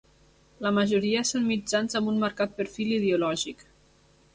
La majoria són mitjans amb un marcat perfil ideològic.